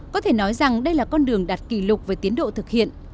có thể nói rằng đây là con đường đạt kỷ lục về tiến độ thực hiện